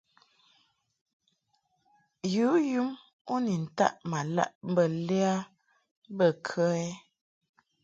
Yǔ yum u ni taʼ ma laʼ mbə lɛ a bə kə ɛ ?